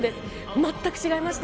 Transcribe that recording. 全く違いました。